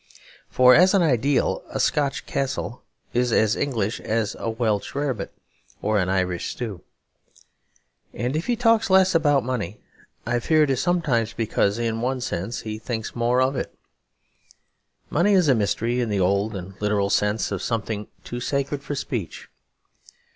For, as an ideal, a Scotch castle is as English as a Welsh rarebit or an Irish stew. And if he talks less about money I fear it is sometimes because in one sense he thinks more of it. Money is a mystery in the old and literal sense of something too sacred for speech.